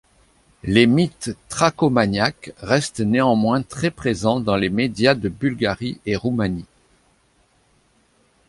Les mythes thracomaniaques restent néanmoins très présents dans les médias de Bulgarie et Roumanie.